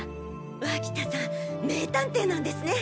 脇田さん名探偵なんですね！